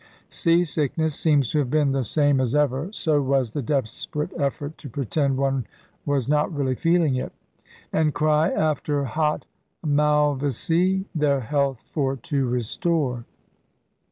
Seasickness seems to have been the same as ever — so was the desperate effort to pretend one was not really feeling it: And cry after hot malvesy —* Their health for to restore.'